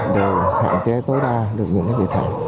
để hạn chế tối đa được những dịch vụ